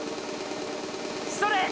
それ！